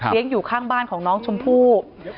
เลี้ยงอยู่ข้างบ้านของน้องชมพู